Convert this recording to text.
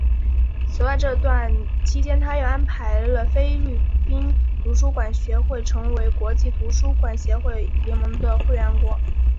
此外这段期间他又安排菲律宾图书馆学会成为国际图书馆协会联盟的会员国。